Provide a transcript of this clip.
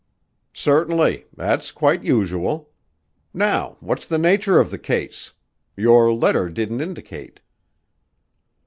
"Certainly, that's quite usual. Now, what's the nature of the case? Your letter didn't indicate."